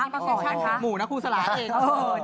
อันนี้ประกอบยังไงหมู่นครูสลาเอง